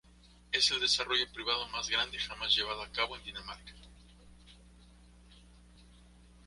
Es el desarrollo privado más grande jamás llevado a cabo en Dinamarca.